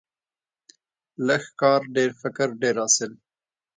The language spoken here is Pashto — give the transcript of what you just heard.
لږ کار، ډیر فکر، ډیر حاصل.